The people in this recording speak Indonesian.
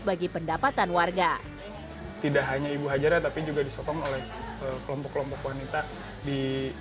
bagi pendapatan warga tidak hanya ibu hajara tapi juga disokong oleh kelompok kelompok wanita di